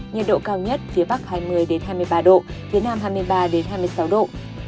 nhiệt độ cao nhất phía bắc hai mươi hai mươi ba độ phía nam hai mươi ba hai mươi sáu độ